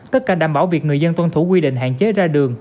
tất cả đảm bảo việc người dân tuân thủ quy định hạn chế ra đường